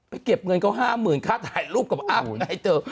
ไปเก็บเงินเขาห้ามื่นค่ะถ่ายรูปกับอ้ำให้เจอ